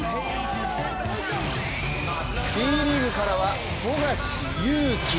Ｂリーグからは富樫勇樹。